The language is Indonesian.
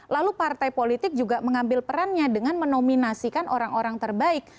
lalu partai politik juga mengambil perannya dengan menominasikan orang orang terbaik